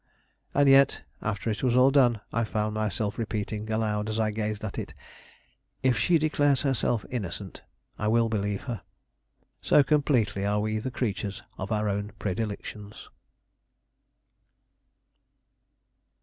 And yet, after it was all done, I found myself repeating aloud as I gazed at it: "If she declares herself innocent, I will believe her." So completely are we the creatures of our own predilections.